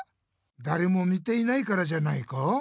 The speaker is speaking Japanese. だれも見ていないからじゃないか？